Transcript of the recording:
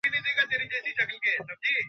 তোমার প্রতিভা নষ্ট হয়ে গেছে।